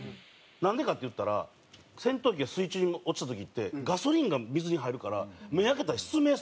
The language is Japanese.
なんでかって言ったら戦闘機が水中に落ちた時ってガソリンが水に入るから目開けたら失明するんですよ。